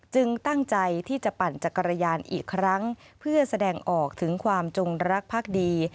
ตั้งใจที่จะปั่นจักรยานอีกครั้งเพื่อแสดงออกถึงความจงรักภักดี